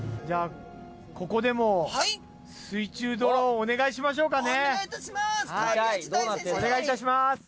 じゃあここでもお願いいたします！